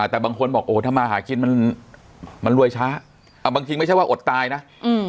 แต่บางคนบอกโอ้ทำมาหากินมันมันรวยช้าอ่าบางทีไม่ใช่ว่าอดตายนะอืม